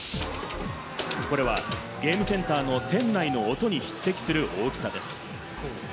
これはゲームセンターの店内の音に匹敵する大きさです。